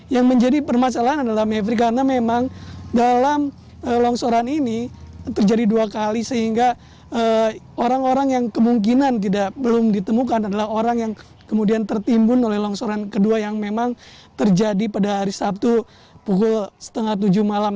yang menjadi permasalahan adalah mevri karena memang dalam longsoran ini terjadi dua kali sehingga orang orang yang kemungkinan belum ditemukan adalah orang yang kemudian tertimbun oleh longsoran kedua yang memang terjadi pada hari sabtu pukul setengah tujuh malam